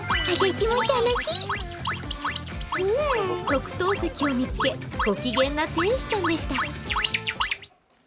特等席を見つけご機嫌な天使ちゃんでした。